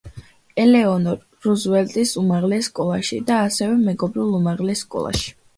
ელეონორ რუზველტის უმაღლეს სკოლაში და ასევე მეგობრულ უმაღლეს სკოლაში.